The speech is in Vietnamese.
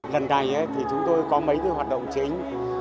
lần này thì chúng tôi có mấy cái hoạt động chính